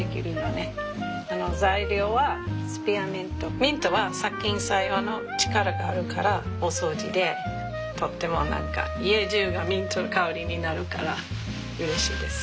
ミントは殺菌作用の力があるからお掃除でとっても何か家じゅうがミントの香りになるからうれしいです。